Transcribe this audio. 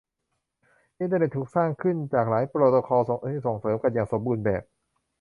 อินเตอร์เน็ตถูกสร้างขึ้นจากหลายโปรโตคอลที่ส่งเสริมกันอย่างสมบูรณ์แบบ